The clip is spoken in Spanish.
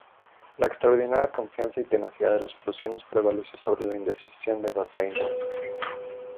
La extraordinaria confianza y tenacidad de los prusianos prevaleció sobre la indecisión de Bazaine.